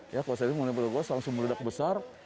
ya kalau saya bilang toko gas langsung meredak besar